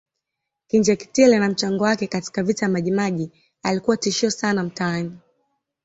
Kinjeketile na mchango wake katika Vita ya Majimaji Alikuwa tishio sana mtaani